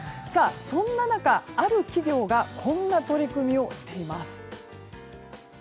そんな中、ある企業がこんな取り組みをしています。